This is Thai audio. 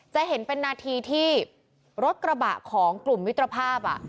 จะเห็นเป็นนาทีที่รถกระบะของกลุ่มมิตรภาพ